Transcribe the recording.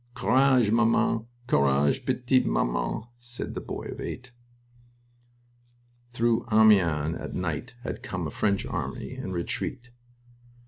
"Courage, maman! Courage, p'tite maman!" said the boy of eight. Through Amiens at night had come a French army in retreat.